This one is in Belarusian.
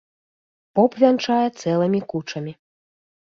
Поп вянчае цэлымі кучамі.